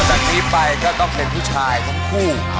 จากนี้ไปก็ต้องเป็นผู้ชายทั้งคู่